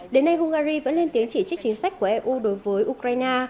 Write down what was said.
đến nay hungary vẫn lên tiếng chỉ trích chính sách của eu đối với ukraine